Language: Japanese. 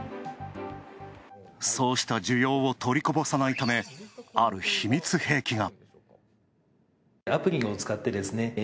そうした需要を取りこぼさないため、ある秘密兵器が。